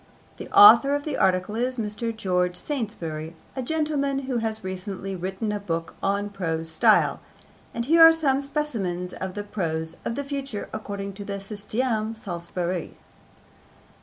The author of the article is Mr. George Saintsbury, a gentleman who has recently written a book on Prose Style, and here are some specimens of the prose of the future according to the systeme Saintsbury: 1.